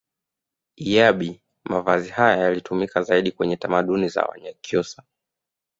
Iyabi mavazi haya yalitumika zaidi kwenye tamaduni za wanyakyusa